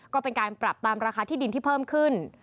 ก็เป็นการปรับตามราคาที่ดินที่เพิ่มขึ้น